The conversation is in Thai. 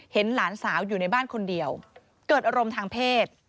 หลานสาวอยู่ในบ้านคนเดียวเกิดอารมณ์ทางเพศ